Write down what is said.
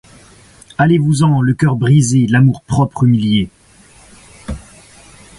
Allez-vous-en, le coeur brisé, l'amour-propre humilié.